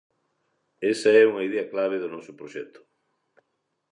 Esa é unha idea clave do noso proxecto.